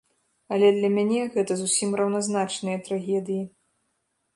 Але для мяне гэта зусім раўназначныя трагедыі.